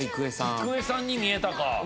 郁恵さんに見えたか。